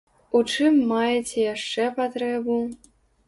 У чым маеце яшчэ патрэбу?